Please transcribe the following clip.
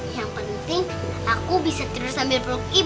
yang penting aku bisa tidur sambil berlutut ibu